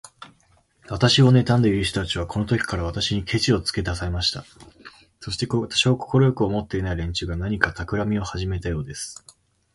私をねたんでいる人たちは、このときから、私にケチをつけだしました。そして、私を快く思っていない連中が、何かたくらみをはじめたようです。